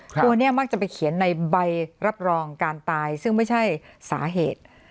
ตัวนี้มักจะไปเขียนในใบรับรองการตายซึ่งไม่ใช่สาเหตุ